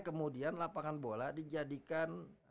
kemudian lapangan bola dijadikan